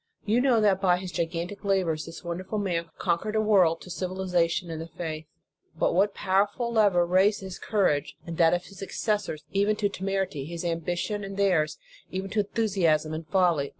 You know that, by his gigantic labors, this wonderful man conquered a world to civiliza tion and the faith. But what powerful lever raised his courage and that of his successors, even to temerity; his ambition and theirs, even to enthusiasm and folly?